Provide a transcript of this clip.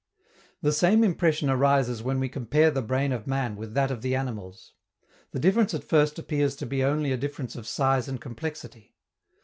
The same impression arises when we compare the brain of man with that of the animals. The difference at first appears to be only a difference of size and complexity.